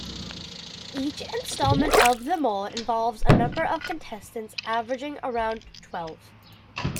Each installment of "The Mole" involves a number of contestants, averaging around twelve.